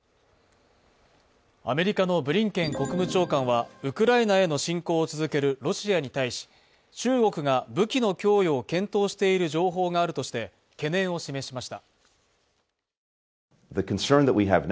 アメリカのブリンケン国務長官は、ウクライナへの侵攻を続けるロシアに対し、中国が武器の供与を検討している情報があるとして懸念を示しました。